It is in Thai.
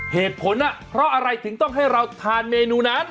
เหตุผลเพราะอะไรถึงต้องให้เราทานเมนูนั้น